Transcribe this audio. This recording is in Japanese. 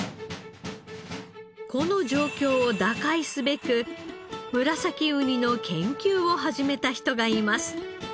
この状況を打開すべくムラサキウニの研究を始めた人がいます。